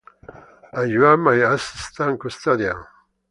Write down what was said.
And you are my assistant-custodian.